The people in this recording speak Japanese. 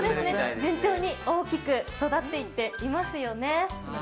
順調に大きく育っていっていますよね。